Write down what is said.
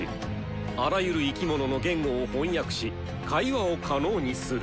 あらゆる生き物の言語を翻訳し会話を可能にする。